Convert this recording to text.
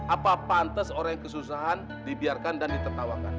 apa pantes orang yang kesusahan dibiarkan dan ditertawakan